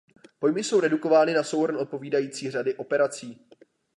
Pojmy jsou redukovány na souhrn odpovídající řady operací.